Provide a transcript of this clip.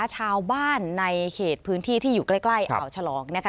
ชาวบ้านในเขตพื้นที่ที่อยู่ใกล้เอาฉลองอะไรแบบนี้นะคะ